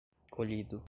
colhido